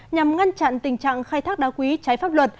nhằm ngăn chặn tình trạng khai thác đá quý trái pháp luật